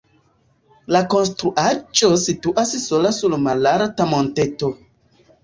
La konstruaĵo situas sola sur malalta monteto.